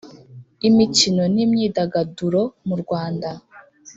Imikino n imyidagaduromu Rwanda